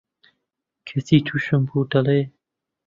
کەچی تووشم بوو، دەڵێ: